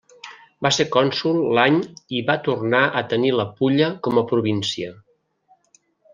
Va ser cònsol l'any i va tornar a tenir la Pulla com a província.